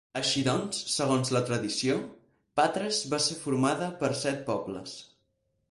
Així doncs, segons la tradició, Patres va ser formada per set pobles.